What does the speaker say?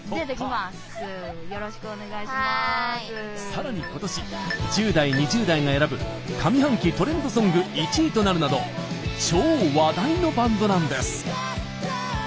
さらに今年、１０代、２０代が選ぶ上半期トレンドソング１位となるなど超話題のバンドなんです。